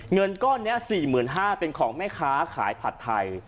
เงินก้อนนี้๔๕๐๐บาทเป็นของแม่ค้าขายผัดไทย